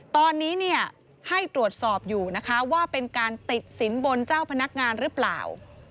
ตอนนี้ให้ตรวจสอบอยู่นะคะว่าเป็นการติดสินบนเจ้าพนักงานหรือเปล่า